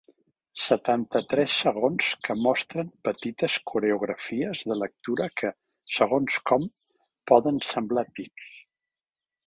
Setanta-tres segons que mostren petites coreografies de lectura que, segons com, poden semblar tics.